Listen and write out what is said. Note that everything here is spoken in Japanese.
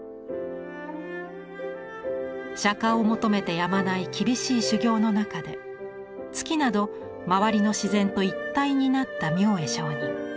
釈迦を求めてやまない厳しい修行の中で月など周りの自然と一体になった明恵上人。